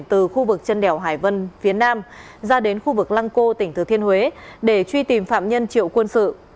từ khu vực chân đèo hải vân phía nam ra đến khu vực lăng cô tỉnh thừa thiên huế để truy tìm phạm nhân triệu quân sự